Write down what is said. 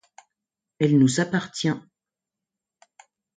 Elle nous appartient.